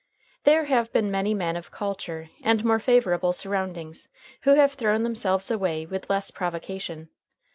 There have been many men of culture and more favorable surroundings who have thrown themselves away with less provocation.